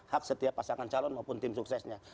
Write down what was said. hak setiap pasangan calon maupun tim suksesnya